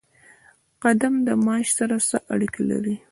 قدم د معاش سره څه اړیکه لري؟